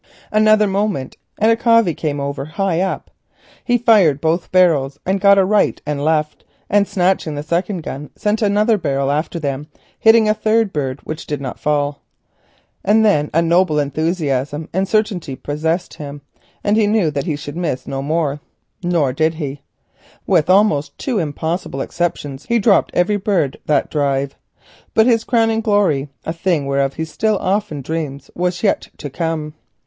Another moment and a covey came over, high up. He fired both barrels and got a right and left, and snatching the second gun sent another barrel after them, hitting a third bird, which did not fall. And then a noble enthusiasm and certainty possessed him, and he knew that he should miss no more. Nor did he. With two almost impossible exceptions he dropped every bird that drive. But his crowning glory, a thing whereof he still often dreams, was yet to come.